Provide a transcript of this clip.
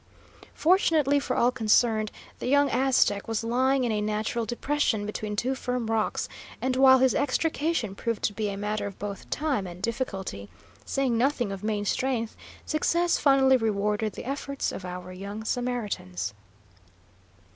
Fortunately for all concerned, the young Aztec was lying in a natural depression between two firm rocks, and while his extrication proved to be a matter of both time and difficulty, saying nothing of main strength, success finally rewarded the efforts of our young Samaritans.